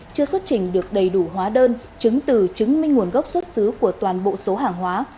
chưa xuất trình được đầy đủ hóa đơn chứng từ chứng minh nguồn gốc xuất xứ của toàn bộ số hàng hóa